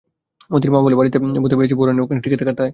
মোতির মা বললে, বাড়িকে ভূতে পেয়েছে বউরানী, ওখানে টিকে থাকা দায়।